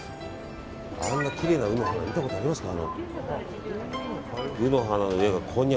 あんなきれいな卯の花見たことありますか。